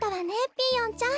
ピーヨンちゃん。